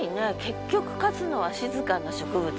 結局勝つのは静かな植物。